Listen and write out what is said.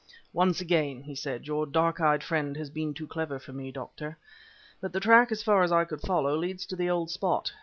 "Once again," he said, "your dark eyed friend has been too clever for me, Doctor. But the track as far as I could follow, leads to the old spot.